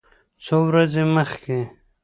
څو ورځې مخکې